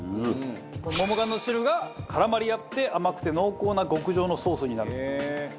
桃缶の汁が絡まり合って甘くて濃厚な極上のソースになる。